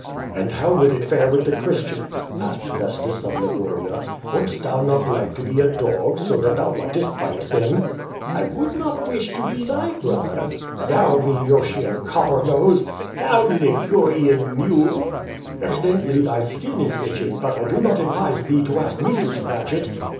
"And how would it fare with the Christians?" asked Festus of Liguria. Wouldst thou not like to be a dog, so that thou mightest bite them?" I would not wish to be thy brother/' "Thou Maeotian copper nose!" 0170 YADI8. 413 "Thou Ligurian mule!" "Evidently thy skin is itching, but I do not advise thee to ask me to scratch it."